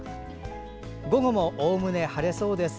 午後も、おおむね晴れそうです。